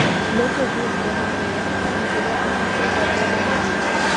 L'autobus démarre, mais il est attaqué par deux bandits.